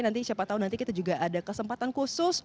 nanti siapa tahu nanti kita juga ada kesempatan khusus